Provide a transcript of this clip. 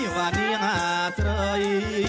ไปเลย